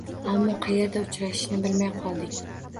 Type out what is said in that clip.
Ammo qayerda uchrashishni bilmay qoldik.